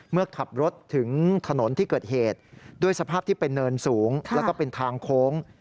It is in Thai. เมื่อขับรถถึงถนนที่เกิดเหตุด้วยสภาพที่เป็นเนินสูงแล้วก็เป็นทางโค้ง